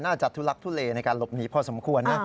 น่าจะถูลักษณ์ทูเลในการหลบหนีพอสมควร